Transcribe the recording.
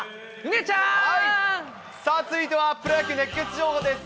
さあ、続いては、プロ野球熱ケツ情報です。